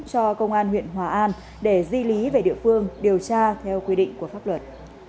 cho công an huyện hòa an để di lý về địa phương điều tra theo quy định của pháp luật